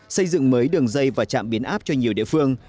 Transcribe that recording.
xây dựng mới đường dây và trạm biến áp cho nhiều địa phương